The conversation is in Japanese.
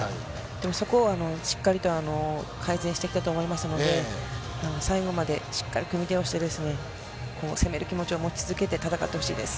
でもそこをしっかりと改善してきたと思いますので、最後までしっかり組み手をして、攻める気持ちを持ち続けて戦ってほしいです。